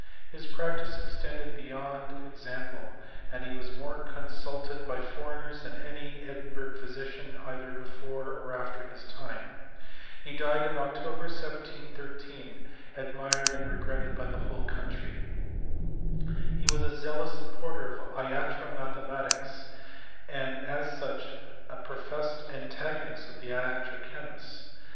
His practice extended beyond example, and he was more consulted by foreigners than any Edinburgh physician either before or after his time. He died in October, 1713, admired and regretted by the whole country. He was a zealous supporter of iatro mathematics, and as such ja professed antagonist of the iatro chemists.